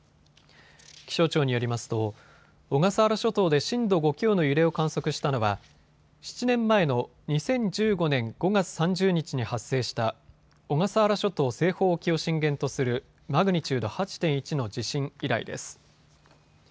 気象庁によりますと小笠原諸島で震度５強の揺れを観測したのは７年前の２０１５年５月３０日に発生した小笠原諸島西方沖を震源とするマグニチュード８．１の地震以来です。